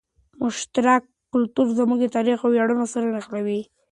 مشترک کلتور زموږ تاریخ او ویاړونه سره نښلوي.